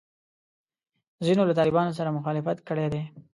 ځینو له طالبانو سره مخالفت کړی دی.